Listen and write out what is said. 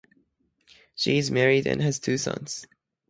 She is married and has two sons.